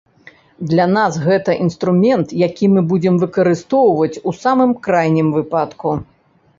Для нас гэта інструмент, які мы будзем выкарыстоўваць у самым крайнім выпадку.